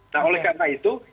nah oleh karena itu